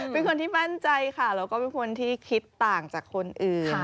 เป็นคนที่มั่นใจค่ะแล้วก็เป็นคนที่คิดต่างจากคนอื่น